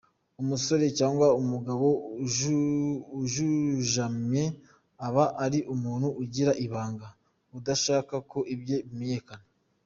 Umusore cyangwa umugabo ujunjamye aba ari umuntu ugira ibanga, udashaka ko ibye bimenyekana.